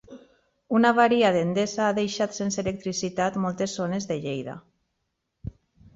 Una avaria d'Endesa ha deixat sense electricitat moltes zones de Lleida.